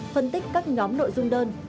phân tích các nhóm nội dung đơn